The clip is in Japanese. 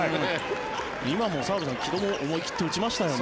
今も澤部さん、城戸も思い切って打ちましたよね。